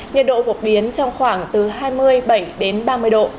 nhật độ phục biến trong khoảng từ hai mươi bảy đến ba mươi độ